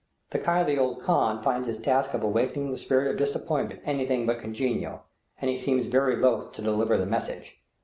The kindly old khan finds his task of awakening the spirit of disappointment anything but congenial, and he seems very loath to deliver the message.